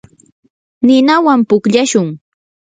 ninawan pukllashun.